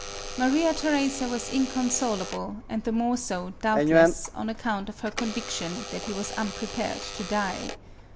Maria Theresa was inconsolable, and the more so, doubtless, on account of her conviction that he was unprepared to die.